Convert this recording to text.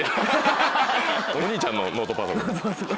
お兄ちゃんのノートパソコン。